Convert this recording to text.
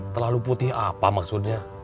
terlalu putih apa maksudnya